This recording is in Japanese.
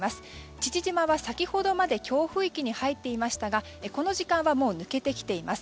父島は先ほどまで強風域に入っていましたがこの時間はもう抜けてきています。